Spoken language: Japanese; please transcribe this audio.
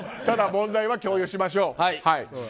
ただ問題は共有しましょう。